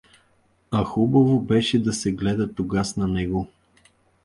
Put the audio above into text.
А хубаво беше да се гледа тогаз на него.